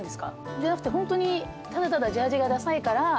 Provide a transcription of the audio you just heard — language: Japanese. じゃなくてホントにただただジャージがダサいからっていう感じですか？